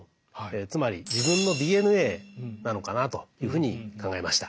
つまり自分のＤＮＡなのかなというふうに考えました。